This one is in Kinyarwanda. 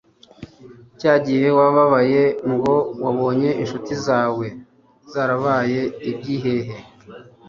cyagihe wababaye ngo wabonye inshuti zawe zarabaye ibyihehe